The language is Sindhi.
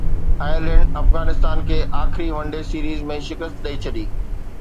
آئرلينڊ افغانستان کي آخري ون ڊي سيريز ۾ شڪست ڏئي ڇڏي